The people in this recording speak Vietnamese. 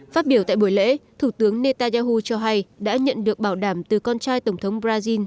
phát biểu tại buổi lễ thủ tướng netanyahu cho hay đã nhận được bảo đảm từ con trai tổng thống brazil